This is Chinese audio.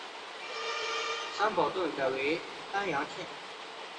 三堡镇改为丹阳县。